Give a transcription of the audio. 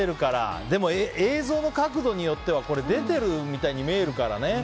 ただ映像の角度によっては出てるみたいに見えるからね。